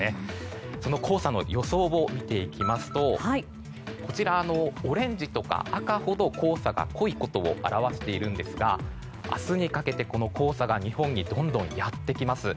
その黄砂の予想を見ていきますとオレンジとか赤ほど黄砂が濃いことを表しているんですが明日にかけて、この黄砂が日本にどんどんやってきます。